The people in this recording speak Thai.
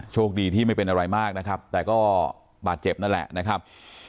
โชคดีที่ไม่เป็นอะไรมากนะครับแต่ก็บาดเจ็บนั่นแหละนะครับ